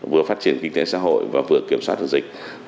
vừa phát triển kinh tế xã hội và vừa kiểm soát được dịch